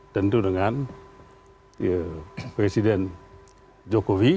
tentu dengan presiden jokowi